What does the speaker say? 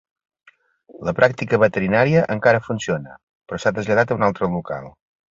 La pràctica veterinària encara funciona, però s'ha traslladat a un altre local.